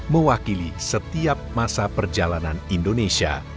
mewakili setiap masa perjalanan indonesia